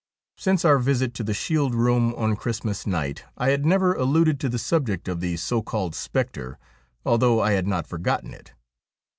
Since our visit to the Shield Eoom on Christmas night I had never alluded to the subject of the so called spectre, although I had not forgotten it.